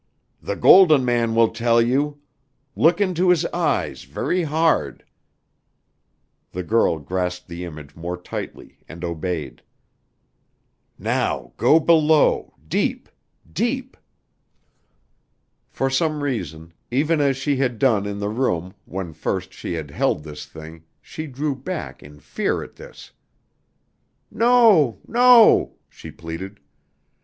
"The Golden Man will tell you. Look into his eyes very hard." The girl grasped the image more tightly and obeyed. "Now go below, deep deep." For some reason, even as she had done in the room when first she had held this thing, she drew back in fear at this. "No! No!" she pleaded.